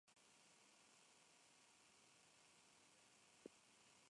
Black Angels.